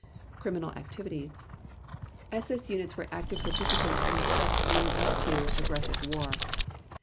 Criminal Activities: SS units were active participants in the steps leading up to aggressive war.